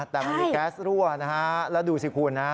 แต่มันมีแก๊สรั่วนะฮะแล้วดูสิคุณนะ